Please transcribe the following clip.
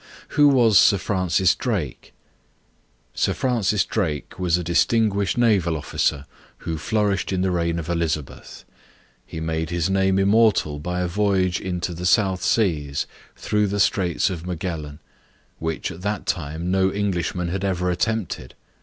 Who was Sir Francis Drake? Sir Francis Drake was a distinguished naval officer, who flourished in the reign of Elizabeth. He made his name immortal by a voyage into the South Seas, through the Straits of Magellan; which, at that time, no Englishman had ever attempted.